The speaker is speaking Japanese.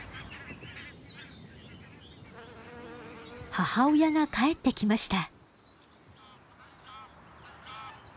母親が帰ってきました。